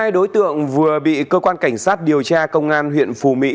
một mươi hai đối tượng vừa bị cơ quan cảnh sát điều tra công an huyện phù mỹ